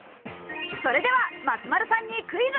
それでは松丸さんにクイズ。